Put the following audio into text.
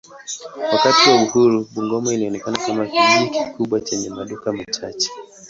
Wakati wa uhuru Bungoma ilionekana kama kijiji kikubwa chenye maduka machache.